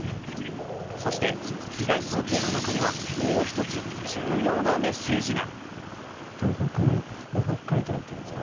そして、被害想定の中にはもう一つ、重要なメッセージが。